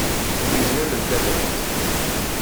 Yuzen-am-n tabrat.